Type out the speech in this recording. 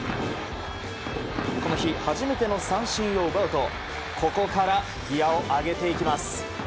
この日初めての三振を奪うとここから、ギアを上げていきます。